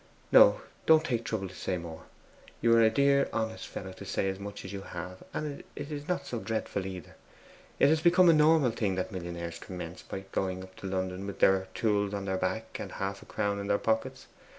'No; don't take trouble to say more. You are a dear honest fellow to say so much as you have; and it is not so dreadful either. It has become a normal thing that millionaires commence by going up to London with their tools at their back, and half a crown in their pockets.